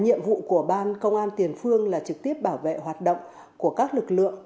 nhiệm vụ của ban công an tiền phương là trực tiếp bảo vệ hoạt động của các lực lượng